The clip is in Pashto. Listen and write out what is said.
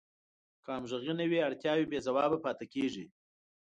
که همغږي نه وي اړتیاوې بې ځوابه پاتې کیږي.